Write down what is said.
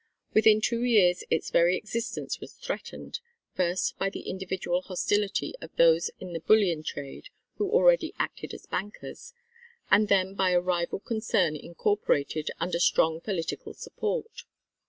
Within two years its very existence was threatened, first by the individual hostility of those in the bullion trade, who already acted as bankers, and then by a rival concern incorporated under strong political support.